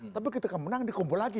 tapi ketika kemenang dikumpul lagi